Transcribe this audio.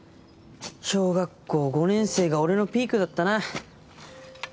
小学校５年生が俺のピークだったな。